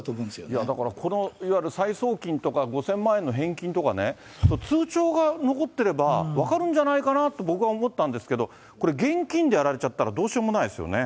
いや、だからこの、いわゆる再送金とか、５０００万円の返金とかね、通帳が残ってれば、分かるんじゃないかなって、僕は思ったんですけど、これ現金でやられちゃったら、どうしようもないですよね。